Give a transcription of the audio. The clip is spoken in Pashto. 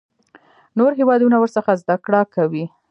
نور هیوادونه ورڅخه زده کړه کوي.